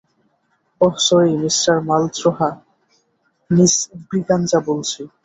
ওহ sorry mister Malhotra miss Braganza বলছি।